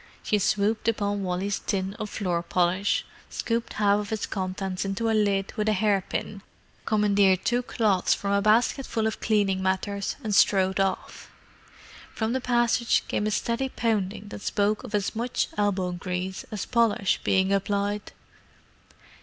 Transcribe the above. She swooped upon Wally's tin of floor polish, scooped half of its contents into the lid with a hair pin, commandeered two cloths from a basketful of cleaning matters, and strode off. From the passage came a steady pounding that spoke of as much "elbow grease" as polish being applied.